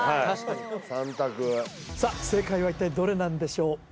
確かに３択さあ正解は一体どれなんでしょう？